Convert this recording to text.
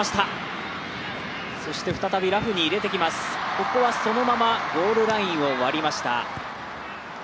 ここはそのままゴールラインを割りました。